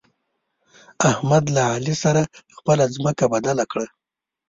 احمد له علي سره خپله ځمکه بدله کړه.